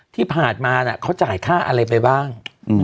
ที่ผ่านมาเขาจ่ายค่าอะไรไปบ้าง